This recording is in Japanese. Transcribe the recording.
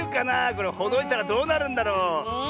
これほどいたらどうなるんだろう。ねえ。